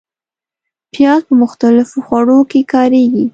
پیاز په مختلفو خوړو کې کارېږي